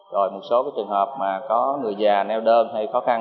rồi một số trường hợp mà có người già neo đơn hay khó khăn